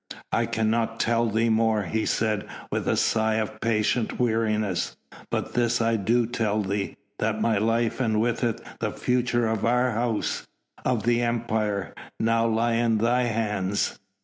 "I cannot tell thee more," he said with a sigh of patient weariness, "but this I do tell thee, that my life and with it the future of our House of the Empire now lie in thy hands.